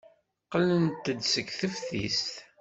Qqlent-d seg teftist.